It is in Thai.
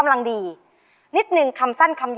อยากแต่งานกับเธออยากแต่งานกับเธอ